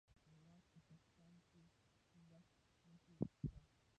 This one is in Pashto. د هرات په کهسان کې د ګچ نښې شته.